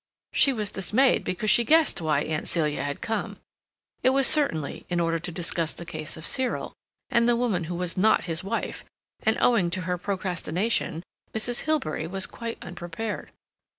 She was dismayed because she guessed why Aunt Celia had come. It was certainly in order to discuss the case of Cyril and the woman who was not his wife, and owing to her procrastination Mrs. Hilbery was quite unprepared.